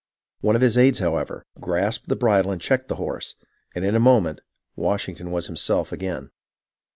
One of his aids, however, grasped the bridle and checked the horse, and in a moment Washington was himself again.